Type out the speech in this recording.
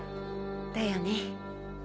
だよね。